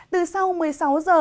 từ sau một mươi sáu giờ